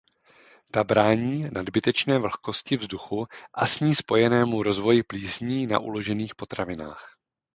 Ta brání nadbytečné vlhkosti vzduchu a s ní spojenému rozvoji plísní na uložených potravinách.